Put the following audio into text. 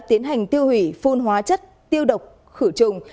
tiến hành tiêu hủy phun hóa chất tiêu độc khử trùng